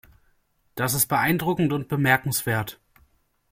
Das ist beeindruckend und bemerkenswert.